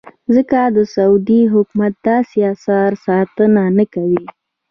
ځکه د سعودي حکومت داسې اثارو ساتنه نه کوي.